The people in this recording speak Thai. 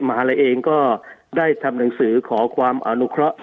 มหาลัยเองก็ได้ทำหนังสือขอความอนุเคราะห์